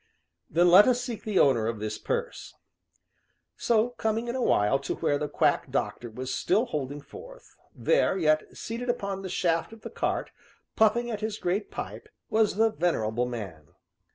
"Then let us seek the owner of this purse." So, coming in a while to where the quack doctor was still holding forth there, yet seated upon the shaft of the cart, puffing at his great pipe, was the venerable man.